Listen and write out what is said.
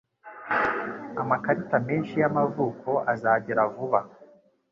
Amakarita menshi y'amavuko azagera vuba.